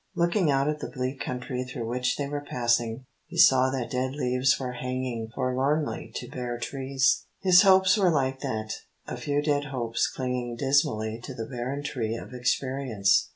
Looking out at the bleak country through which they were passing he saw that dead leaves were hanging forlornly to bare trees. His hopes were like that, a few dead hopes clinging dismally to the barren tree of experience.